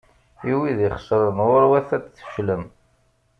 I wid ixesren, ɣur-wat ad tfeclem!